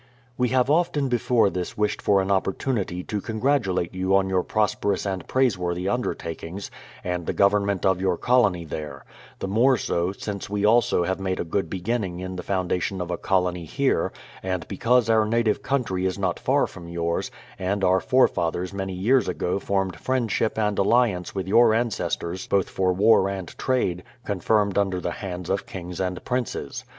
We have often before this wished for an opportunity to con gratulate you on your prosperous and praiseworthy undertakings, and the Government of your colony there; the more so, since we also have made a good beginning in the foundation of a colony here, and because our native country is not far from yours, and our forefathers many years ago formed friendship and alliance with your ancestors both for war and trade, confirmed under the hands of kings and princes.